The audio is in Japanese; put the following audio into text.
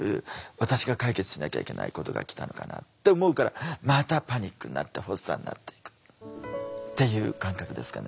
私が解決しなきゃいけないことが来たのかな」って思うからまたパニックになって発作になっていくっていう感覚ですかね。